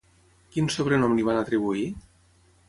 Quin sobrenom li van atribuir?